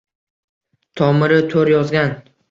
Tomiri toʻr yozgan